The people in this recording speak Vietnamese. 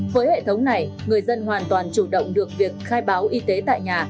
với hệ thống này người dân hoàn toàn chủ động được việc khai báo y tế tại nhà